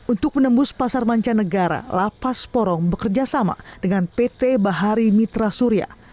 untuk menembus pasar mancanegara lapas porong bekerja sama dengan pt bahari mitra surya